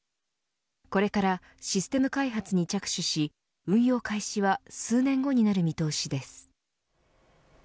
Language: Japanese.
これから、システム開発に着手し運用開始は数年後になる見通しです。